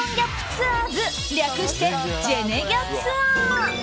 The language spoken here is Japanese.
ツアーズ略してジェネギャツア。